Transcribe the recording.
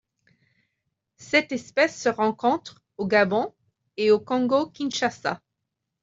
Cette espèce se rencontre au Gabon et au Congo-Kinshasa.